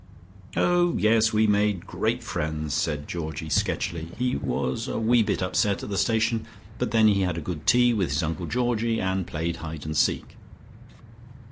"O yes, we made great friends," said Georgie sketchily. "He was wee bit upset at the station, but then he had a good tea with his Uncle Georgie and played hide and seek."